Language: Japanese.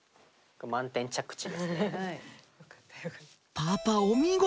パパお見事！